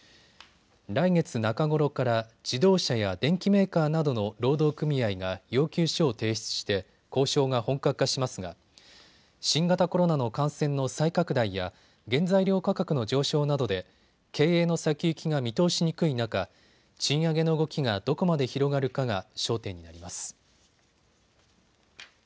来月中頃から自動車や電機メーカーなどの労働組合が要求書を提出して交渉が本格化しますが新型コロナの感染の再拡大や原材料価格の上昇などで経営の先行きが見通しにくい中、賃上げの動きがどこまで広がるかが焦点になります。